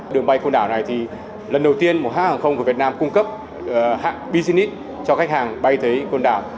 đường bay côn đảo này thì lần đầu tiên một hãng hàng không của việt nam cung cấp business cho khách hàng bay tới con đảo